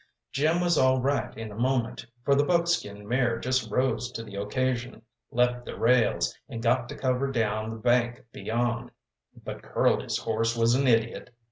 Jim was all right in a moment, for the buckskin mare just rose to the occasion, leapt the rails, and got to cover down the bank beyond; but Curly's horse was an idiot.